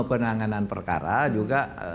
penanganan perkara juga